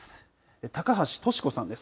高橋利子さんです。